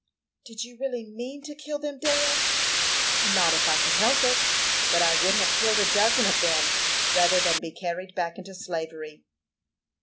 "Did you really mean to kill them, Dan?" "Not if I could help it; but I would have killed a dozen of them rather than be carried back into slavery."